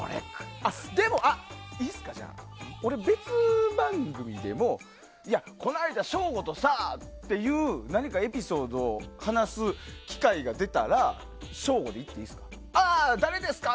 でも俺、別番組でもこの間、省吾とさっていう何かエピソードを話す機会が出たら省吾でいっていいですか。